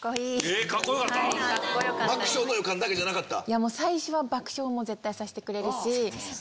爆笑の予感だけじゃなかった？